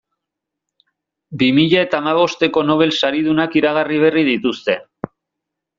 Bi mila eta hamabosteko Nobel saridunak iragarri berri dituzte.